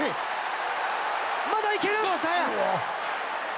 まだいける！